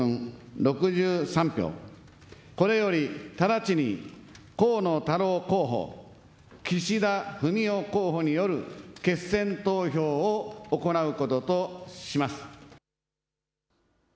これより直ちに河野太郎候補、岸田文雄候補による決選投票を行うこととします。